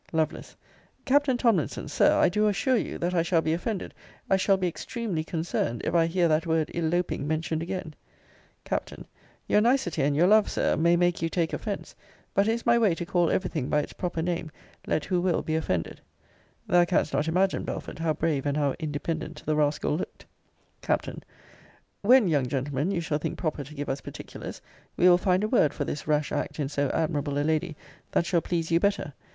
Lovel. Captain Tomlinson: Sir I do assure you, that I shall be offended I shall be extremely concerned if I hear that word eloping mentioned again Capt. Your nicety and your love, Sir, may make you take offence but it is my way to call every thing by its proper name, let who will be offended Thou canst not imagine, Belford, how brave and how independent the rascal looked. Capt. When, young gentleman, you shall think proper to give us particulars, we will find a word for this rash act in so admirable a lady, that shall please you better.